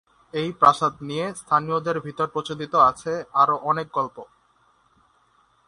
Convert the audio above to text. এই প্রাসাদ নিয়ে স্থানীয়দের ভিতর প্রচলিত আছে আরো অনেক গল্প।